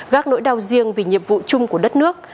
gác nỗi đau riêng vì nhiệm vụ chung của đất nước